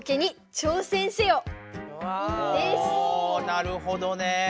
なるほどね。